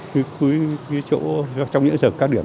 cái chỗ trong những giờ cao điểm